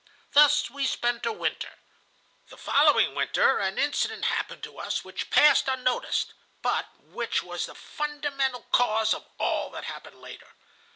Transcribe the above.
"Thus we spent a winter. The following winter an incident happened to us which passed unnoticed, but which was the fundamental cause of all that happened later.